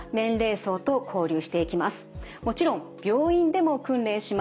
もちろん病院でも訓練します。